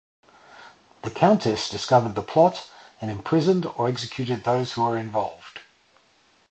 The Countess discovered the plot and imprisoned or executed those who were involved.